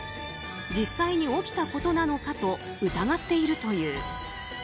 実際に起きたことなのかと疑っているという。